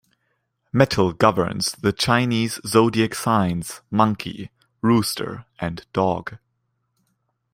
Metal governs the Chinese zodiac signs Monkey, Rooster and Dog.